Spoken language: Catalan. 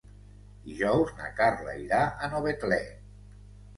Dijous na Carla irà a Novetlè.